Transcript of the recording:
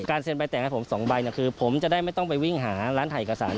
เซ็นใบแต่งให้ผม๒ใบคือผมจะได้ไม่ต้องไปวิ่งหาร้านถ่ายเอกสาร